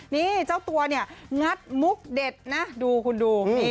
นี่เจ้าตัวเนี่ยงัดมุกเด็ดนะดูคุณดู